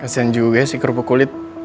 kesian juga sih kerupa kulit